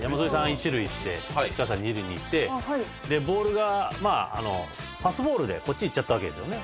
一塁行って市川さん二塁に行ってボールがまああのパスボールでこっちいっちゃったわけですよね。